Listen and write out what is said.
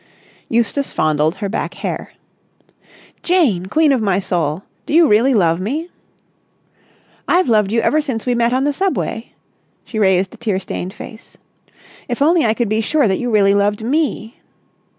Eustace fondled her back hair. "Jane! Queen of my soul! Do you really love me?" "I've loved you ever since we met on the Subway." She raised a tear stained face. "If only I could be sure that you really loved me!"